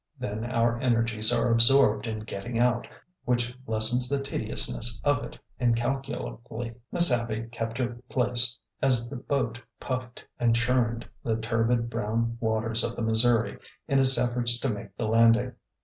Then our energies are absorbed in getting out, which les sens the tediousness of it incalculably. Miss Abby kept her place as the boat puffed and churned the turbid brown waters of the Missouri in its efforts to make the landing.